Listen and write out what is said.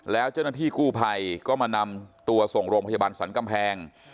แล้วเจ้าหน้าที่กู้ภัยก็มานำตัวส่งโรงพยาบาลสรรกำแพง